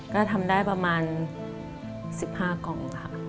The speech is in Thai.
ก็ทำได้ประมาณ๑๕กล่องค่ะ